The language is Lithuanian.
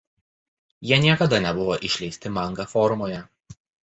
Jie niekada nebuvo išleisti manga formoje.